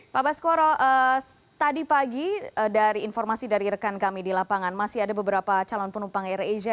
pak baskoro tadi pagi dari informasi dari rekan kami di lapangan masih ada beberapa calon penumpang air asia